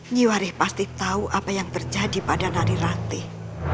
ngiwari pasti tahu apa yang terjadi pada nari ratih